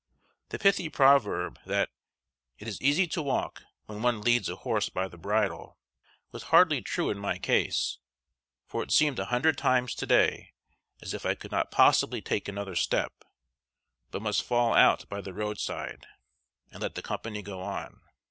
The pithy proverb, that "it is easy to walk when one leads a horse by the bridle," was hardly true in my case, for it seemed a hundred times to day as if I could not possibly take another step, but must fall out by the roadside, and let the company go on.